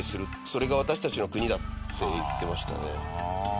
それが私たちの国だって言ってましたね。